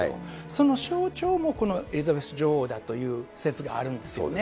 その象徴がこのエリザベス女王だという説があるんですよね。